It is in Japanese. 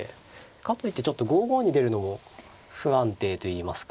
かといってちょっと５五に出るのも不安定といいますか。